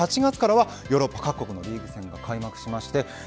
そして８月からはヨーロッパ各国のリーグ戦が開幕します。